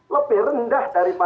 lebih rendah daripada